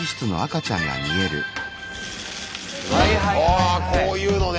あこういうのね。